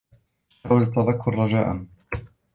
حاول التّذكّر رجاءا.